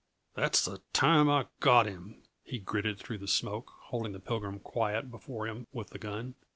"That's the time I got him," he gritted through the smoke, holding the Pilgrim quiet before him with the gun.